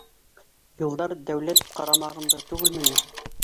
Юлдар дәүләт ҡарамағында түгелме ни?!